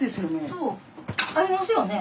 そう。ありますよね？